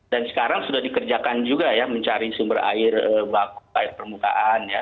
dan sekarang sudah dikerjakan juga ya mencari sumber air baku air permukaan ya